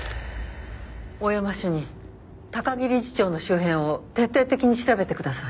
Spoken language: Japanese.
大山主任高木理事長の周辺を徹底的に調べてください。